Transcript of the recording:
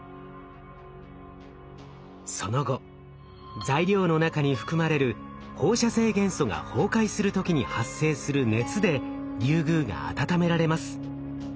その後材料の中に含まれる放射性元素が崩壊する時に発生する熱でリュウグウが温められます。